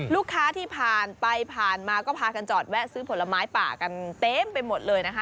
ลูกค้าที่ผ่านไปผ่านมาก็พากันจอดแวะซื้อผลไม้ป่ากันเต็มไปหมดเลยนะคะ